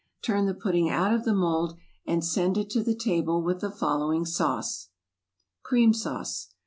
Turn the pudding out of the mould, and send it to the table with the following sauce: =Cream Sauce.